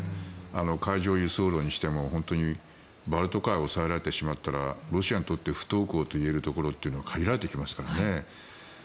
海上輸送路にしても本当に、バルト海を押さえられてしまったらロシアにとって不凍港といえるところは限られてきますからね。